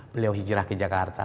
beliau hijrah ke jakarta